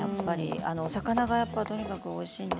魚がとにかくおいしいので。